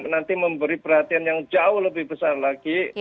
nanti memberi perhatian yang jauh lebih besar lagi